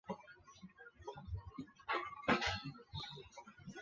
辖境相当今越南广宁省东北河桧一带。